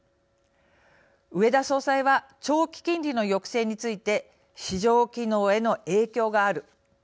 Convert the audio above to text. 植田総裁は長期金利の抑制について「市場機能への影響がある」